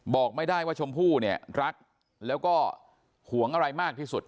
บอกไม่ได้ว่าชมพู่เนี่ยรักแล้วก็ห่วงอะไรมากที่สุด